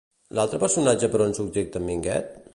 L'altre personatge per on subjecta en Minguet?